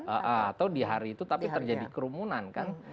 atau di hari itu tapi terjadi kerumunan kan